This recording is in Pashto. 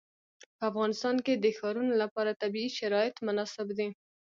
په افغانستان کې د ښارونه لپاره طبیعي شرایط مناسب دي.